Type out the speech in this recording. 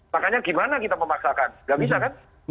makanya gimana kita memaksakan nggak bisa kan